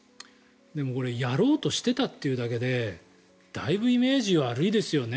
でもこれやろうとしていたというだけでだいぶイメージ悪いですよね。